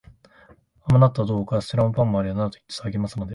甘納豆はどう？カステラも、パンもあるよ、などと言って騒ぎますので、